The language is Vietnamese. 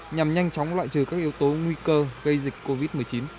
nhằm nhanh chóng loại trừ các yếu tố nguy cơ gây dịch covid một mươi chín